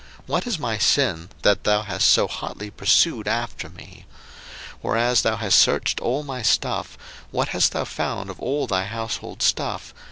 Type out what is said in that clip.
what is my sin, that thou hast so hotly pursued after me? 01:031:037 Whereas thou hast searched all my stuff, what hast thou found of all thy household stuff?